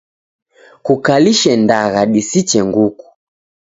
Kukalishe ndagha disiche nguku.